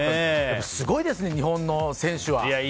すごいですね、日本の選手は。